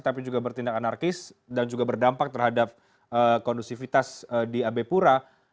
tapi juga bertindak anarkis dan juga berdampak terhadap kondusivitas di abe pura